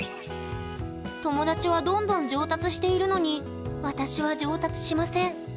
友達はどんどん上達しているのに私は上達しません。